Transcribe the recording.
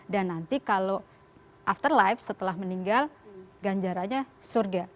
dan nanti kalau afterlife setelah meninggal ganjaranya surga